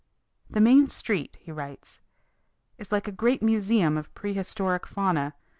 "The main street," he writes, "is like a great museum of prehistoric fauna.